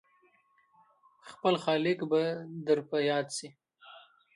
خپل خالق به در په ياد شي !